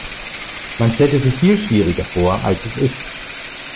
Man stellt es sich viel schwieriger vor, als es ist.